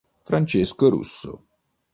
Francesco Russo